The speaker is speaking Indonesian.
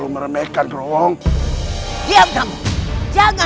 supaya kanjeng sultan tidak curiga